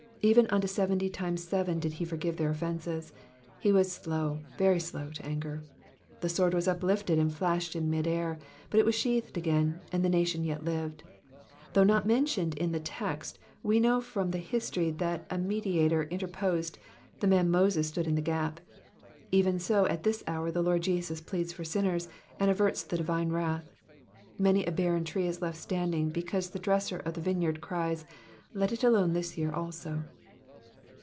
Even unto seventy times seven did ho forgive their offences. He was slow, very slow, to anger. The sword was uplifted and flashed m mid air, but it was sheathed again, and the nation yet lived. Though not mentioned in the text, we know from the history that a mediator interposed, the man Moses stood in the gap ; even so at this hour the Lord Jesus pleads for sinners, and averts the divme Digitized by VjOOQIC PSALM THE SEVENTY EIGHTH. 443 wrath. Many a barren tree is left standing because the dresser of the vineyard cries, let it alone this year also."